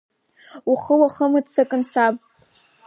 Ухы уахымццакын, саб.